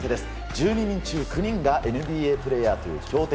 １２人中９人がＮＢＡプレーヤーという強敵。